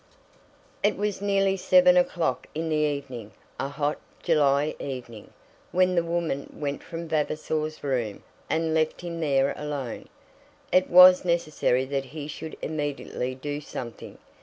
It was nearly seven o'clock in the evening, a hot, July evening, when the woman went from Vavasor's room, and left him there alone. It was necessary that he should immediately do something.